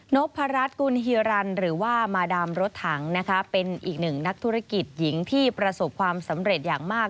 พรัชกุลฮิรันหรือว่ามาดามรถถังนะคะเป็นอีกหนึ่งนักธุรกิจหญิงที่ประสบความสำเร็จอย่างมาก